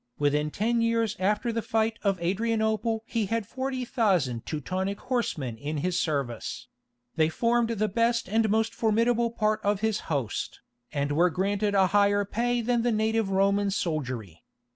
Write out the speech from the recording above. Within ten years after the fight of Adrianople he had forty thousand Teutonic horsemen in his service; they formed the best and most formidable part of his host, and were granted a higher pay than the native Roman soldiery.